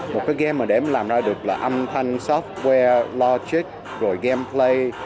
một cái game mà để làm ra được là âm thanh software logic rồi gameplay